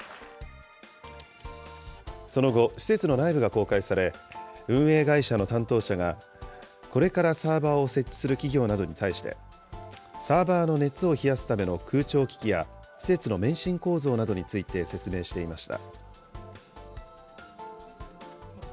その後、施設の内部が公開され、運営会社の担当者がこれからサーバーを設置する企業などに対して、サーバーの熱を冷やすための空調機器や、施設の免震構造などについて説明していました。